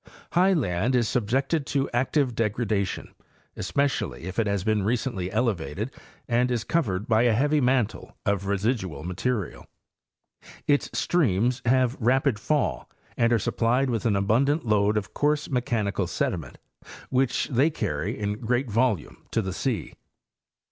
High land is subjected to active degradation, especially if it has been recently elevated and is covered by a heavy mantle of residual material. Its streams have rapid fall and are supplied with an abundant load of coarse mechanical sediment which they carry in great volume to the sea.